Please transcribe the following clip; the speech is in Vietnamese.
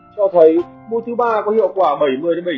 cho thấy mũi thứ ba có hiệu quả bảy mươi bảy mươi năm